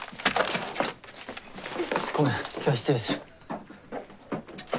ごめん今日は失礼する。